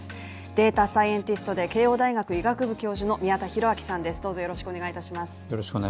データサイエンティストで慶応大学医学部教授の宮田裕章さんです。